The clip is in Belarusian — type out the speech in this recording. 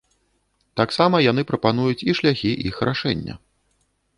Таксама яны прапануюць і шляхі іх рашэння.